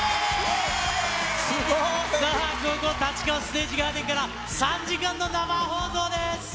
すごい。さあ、ここ、立川ステージガーデンから、３時間の生放送です。